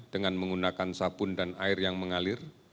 dengan menggunakan sabun dan air yang mengalir